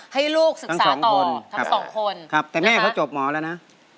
ให้ลูกศึกษาต่อทั้งสองคนครับแต่แม่เขาจบหมอแล้วนะ